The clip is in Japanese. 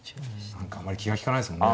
何かあんまり気が利かないですね。